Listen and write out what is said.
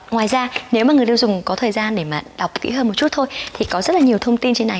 ngoài ra nếu mà người tiêu dùng có thời gian để mà đọc kỹ hơn một chút thôi thì có rất là nhiều thông tin trên này